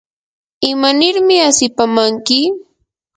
¿imanirmi asipamanki?